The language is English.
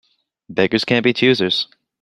Beggars can't be choosers.